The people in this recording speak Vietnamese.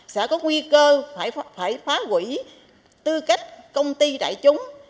sẽ có nguy cơ phải phá quỹ tư cách công ty đại chúng